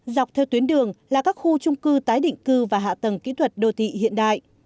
dọc theo tuyến đường là các khu trung cư tái định cư và hạ tầng kỹ thuật đô thị hiện đại